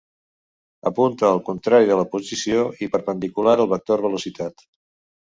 Apunta el contrari de la posició i perpendicular al vector velocitat.